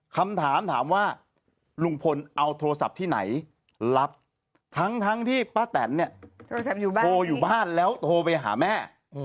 คำถามถามว่าลุงพลเอาโทรศัพท์ที่ไหนรับทั้งที่ป้าแตนเนี่ยโทรอยู่บ้านแล้วโทรไปหาแม่